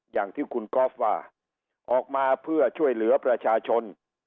อย่างที่คุณกอล์ฟว่าออกมาเพื่อช่วยเหลือประชาชน